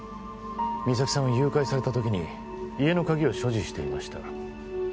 実咲さんは誘拐された時に家の鍵を所持していました